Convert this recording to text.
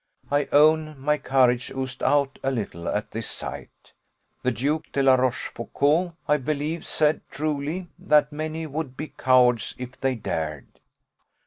I own my courage 'oozed out' a little at this sight. The Duke de la Rochefoucault, I believe, said truly, that 'many would be cowards if they dared.